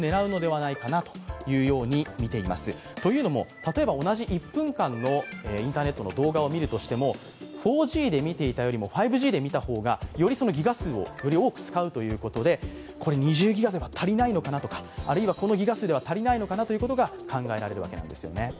例えば同じ１分間のインターネットの動画を見るとしても４Ｇで見ていたよりも、５Ｇで見た方がよりギガ数を多く使うということで２０ギガでは足りないのかなとかあるいはこのギガ数では足りないのかなということが考えられるわけですね。